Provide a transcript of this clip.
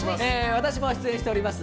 私も出演しております